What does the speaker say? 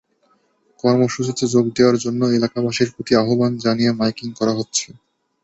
কর্মসূচিতে যোগ দেওয়ার জন্য এলাকাবাসীর প্রতি আহ্বান জানিয়ে মাইকিং করা হচ্ছে।